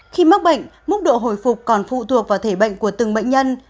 khi mắc bệnh mức độ hồi phục còn phụ thuộc vào thể bệnh của từng bệnh nhân